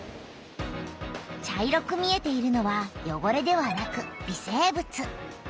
茶色く見えているのはよごれではなく微生物。